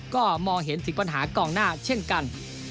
ก็มองเห็นถึงปัญหากองหน้าเช่นกัน